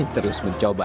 ingin terus mencoba